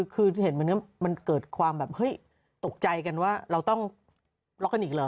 คือเห็นเหมือนกันมันเกิดความตกใจกันว่าเราต้องล็อกกันอีกเหรอ